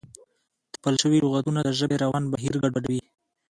تپل شوي لغتونه د ژبې روان بهیر ګډوډوي.